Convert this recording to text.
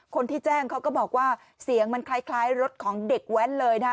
คนที่แจ้งเขาก็บอกว่าเสียงมันคล้ายรถของเด็กแว้นเลยนะฮะ